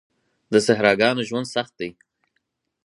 د صحراګانو ژوند سخت دی.